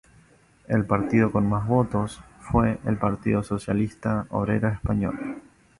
El partido con más votos fue el Partido Socialista Obrero Español.